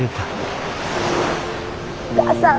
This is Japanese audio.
お母さん。